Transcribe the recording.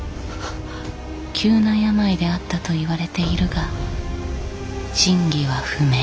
急な病であったといわれているが真偽は不明。